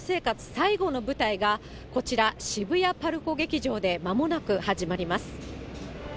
最後の舞台が、こちら、渋谷ＰＡＲＣＯ劇場でまもなく始まります。